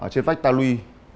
trên vách ta lui